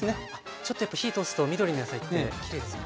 ちょっとやっぱ火通すと緑の野菜ってきれいですよね。